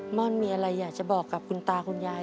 ่อนมีอะไรอยากจะบอกกับคุณตาคุณยาย